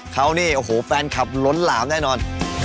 เขานี่โอ้โหแฟนคลับล้นหลามแน่นอน